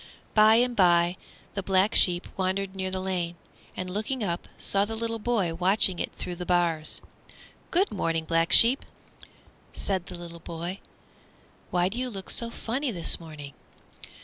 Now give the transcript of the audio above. By and by the Black Sheep wandered near the lane, and looking up, saw the little boy watching it through the bars. "Good morning, Black Sheep," said the boy; "why do you look so funny this morning?"